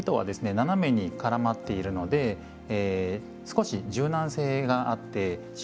斜めに絡まっているので少し柔軟性があって伸縮性が生まれます。